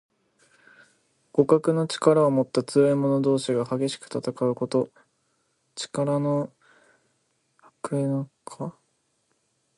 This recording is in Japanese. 互角の力をもった強い者同士が激しく戦うこと。力の伯仲した英雄・強豪などが、あたかも竜ととらとがぶつかって戦うように勝負すること。